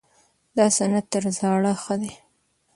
دا سند تر زاړه ښه دی.